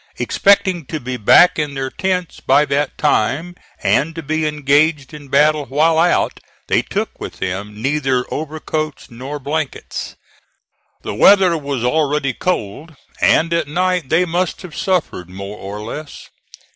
Expecting to be back in their tents by that time and to be engaged in battle while out, they took with them neither overcoats nor blankets. The weather was already cold, and at night they must have suffered more or less.